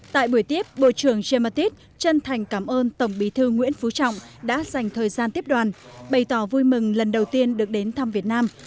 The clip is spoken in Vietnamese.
tại buổi tiếp bộ trưởng james mattis chân thành cảm ơn tổng bí thư nguyễn phú trọng đã dành thời gian tiếp đoàn bày tỏ vui mừng lần đầu tiên được đến thăm việt nam